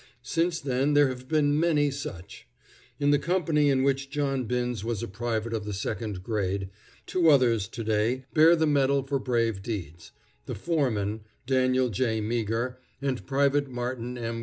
Since then there have been many such. In the company in which John Binns was a private of the second grade, two others to day bear the medal for brave deeds: the foreman, Daniel J. Meagher, and Private Martin M.